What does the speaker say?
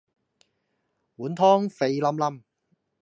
碗湯肥淋淋